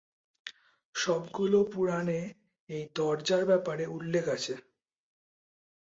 সবগুলো পুরাণে এই দরজার ব্যাপারে উল্লেখ আছে।